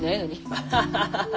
アハハハハ。